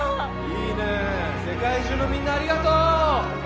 いいねー世界中のみんなありがとう！